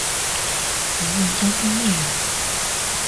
惟用将军一人。